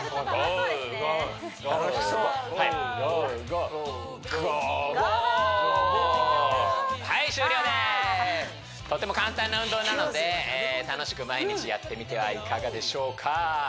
とても簡単な運動なので楽しく毎日やってみてはいかがでしょうか